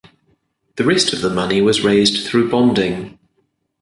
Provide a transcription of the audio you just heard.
The rest of the money was raised through bonding.